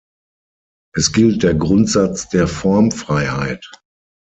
Es gilt der Grundsatz der Formfreiheit.